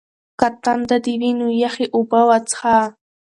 که تنده دې وي نو یخې اوبه وڅښه.